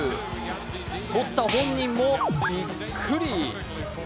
とった本人もびっくり。